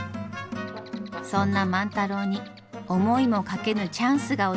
そんな万太郎に思いもかけぬチャンスが訪れます。